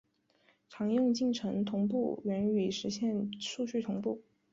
常用进程同步原语实现数据同步。